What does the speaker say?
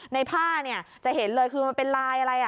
ในผ้าเนี่ยจะเห็นเลยคือมันเป็นลายอะไร